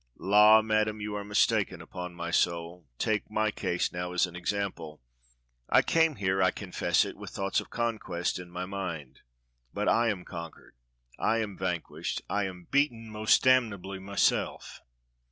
" La, Madam, you are mistaken, upon my soul. Take my case now as an example : I came here, I confess it, with thoughts of conquest in my mind, but I am con quered, I am vanquished, I am beaten most damnably myself.